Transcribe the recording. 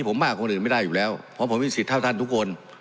ผมมากคนอื่นไม่ได้อยู่แล้วเพราะผมมีสิทธิ์เท่าท่านทุกคน